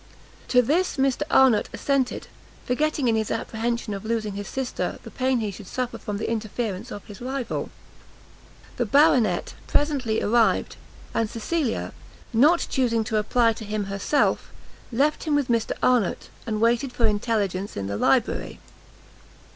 To this Mr Arnott assented, forgetting in his apprehension of losing his sister, the pain he should suffer from the interference of his rival. The Baronet presently arrived, and Cecilia, not chusing to apply to him herself, left him with Mr Arnott, and waited for intelligence in the library.